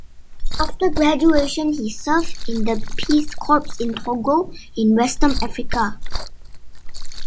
After graduation he served in the Peace Corps in Togo, in western Africa.